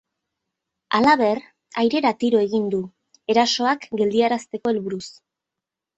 Halaber, airera tiro egin du, erasoak geldiarazteko helburuz.